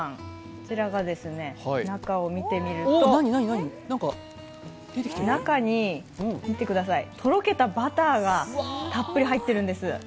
こちらが、中を見てみると中に、見てください、とろけたバターがたっぷり入っているんです。